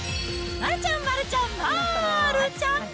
丸ちゃん、丸ちゃん、まーるちゃん。